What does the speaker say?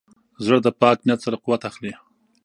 زړه د پاک نیت سره قوت اخلي.